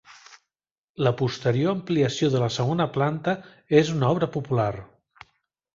La posterior ampliació de la segona planta és una obra popular.